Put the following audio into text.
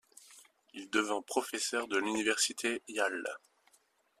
Il devient professeur de l'université Yale.